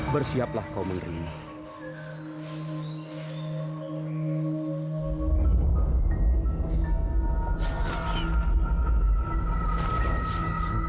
bersiaplah kau mengeri